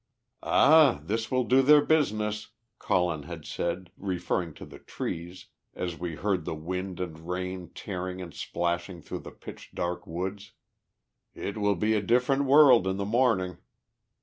"Ah! This will do their business," Colin had said, referring to the trees, as we heard the wind and rain tearing and splashing through the pitch dark woods. "It will be a different world in the morning."